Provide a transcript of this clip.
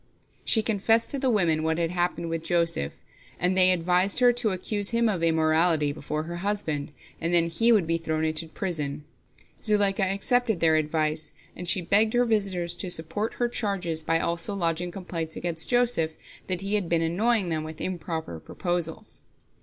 She confessed to the women what had happened with Joseph, and they advised her to accuse him of immorality before her husband, and then he would be thrown into prison. Zuleika accepted their advice, and she begged her visitors to support her charges by also lodging complaints against Joseph, that he had been annoying them with improper proposals.